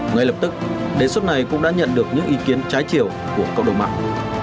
ngay lập tức đề xuất này cũng đã nhận được những ý kiến trái chiều của cộng đồng mạng